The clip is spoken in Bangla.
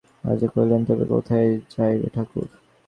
রাজা কহিলেন, তবে কোথায় যাইবে, ঠাকুর?